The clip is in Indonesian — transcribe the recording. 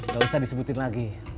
gak bisa disebutin lagi